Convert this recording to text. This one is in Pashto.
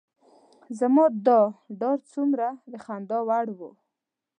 زما دا ډار څومره د خندا وړ و.